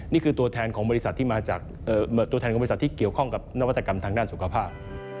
นี่คือตัวแทนของบริษัทที่เกี่ยวข้องกับนวัตกรรมทางด้านสุขภาพ